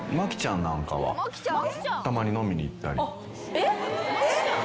えっ！？